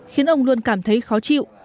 khiến ông luôn cảm thấy khó chịu